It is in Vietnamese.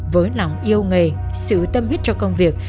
với lòng yêu nghề sự tâm huyết cho công việc